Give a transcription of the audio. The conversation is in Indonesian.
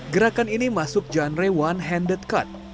gerakan ini masuk genre one handed cut